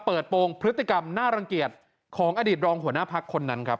เธอก็เลยอยากเปิดโปรงพฤติกรรมน่ารังเกียจของอดีตรองหัวหน้าพรรคคนนั้นครับ